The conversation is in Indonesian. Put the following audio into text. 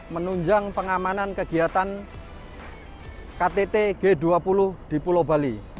menunjang pengamanan kegiatan ktt g dua puluh di pulau bali